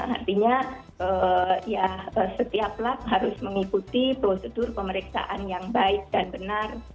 artinya ya setiap lab harus mengikuti prosedur pemeriksaan yang baik dan benar